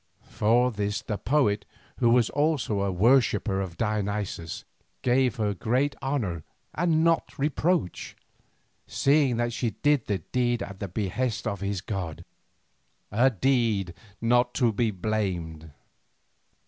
For this the poet, who was also a worshipper of Dionysus, gave her great honour and not reproach, seeing that she did the deed at the behest of this god, "a deed not to be blamed."